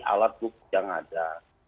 alat buku yang ada